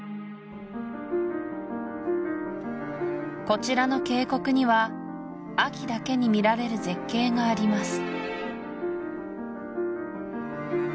こちらの渓谷には秋だけに見られる絶景があります